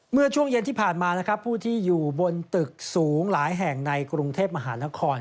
เมื่อช่วงเย็นที่ผ่านมานะครับผู้ที่อยู่บนตึกสูงหลายแห่งในกรุงเทพมหานคร